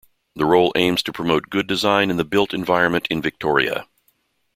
The role aims to promote good design in the built environment in Victoria.